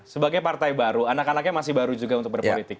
sebagai partai baru anak anaknya masih baru juga untuk berpolitik